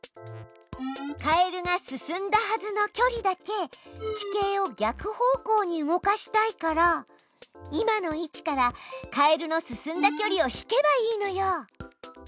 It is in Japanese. カエルが進んだはずの距離だけ地形を逆方向に動かしたいから今の位置からカエルの進んだ距離を引けばいいのよ。